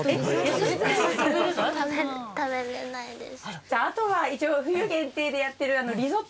食べられないです。